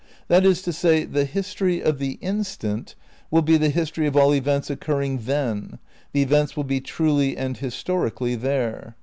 That is to say, the history of the instant will be the history of all events occurring "then," the events will be truly and historically "there."